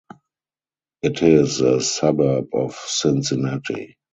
It is a suburb of Cincinnati.